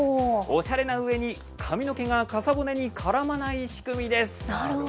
おしゃれなうえに、髪の毛が傘骨に絡まない仕組みです。